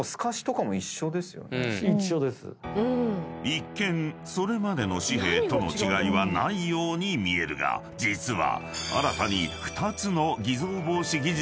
［一見それまでの紙幣との違いはないように見えるが実は］